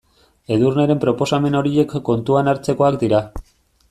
Edurneren proposamen horiek kontuan hartzekoak dira.